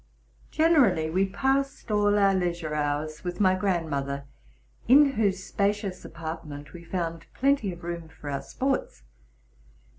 Generally we passed all our leisure hours with my grand mother, in whose spacious apartment we found plenty of room for our sports.